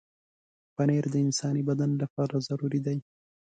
پنېر د انساني بدن لپاره ضروري دی.